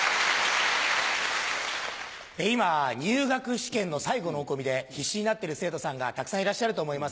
今入学試験の最後の追い込みで必死になってる生徒さんがたくさんいらっしゃると思います。